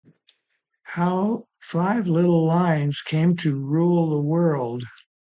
Or how five little lines came to rule the world.